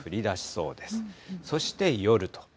そして夜と。